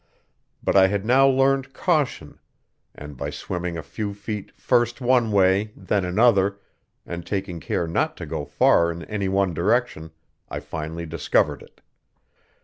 But I had now learned caution; and by swimming a few feet first one way, then another, and taking care not to go far in any one direction, I finally discovered it.